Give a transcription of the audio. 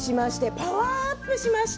パワーアップしました。